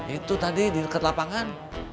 itu tadi di dekat lapangan